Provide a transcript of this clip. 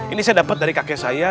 ini saya dapat dari kakek saya